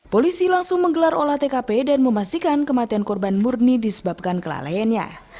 polisi langsung menggelar olah tkp dan memastikan kematian korban murni disebabkan kelalaiannya